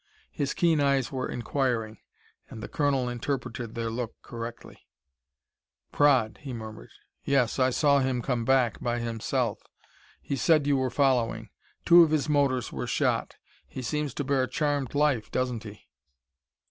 His keen eyes were inquiring, and the colonel interpreted their look correctly. "Praed," he murmured. "Yes, I saw him come back, by himself. He said you were following. Two of his motors were shot. He seems to bear a charmed life, doesn't he?"